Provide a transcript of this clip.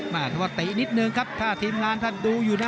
มาถ้าว่าเตะอีกนิดนึงครับถ้าทีมงานดูอยู่นะ